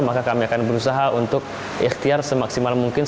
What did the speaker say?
maka kami akan berusaha untuk ikhtiar semaksimal mungkin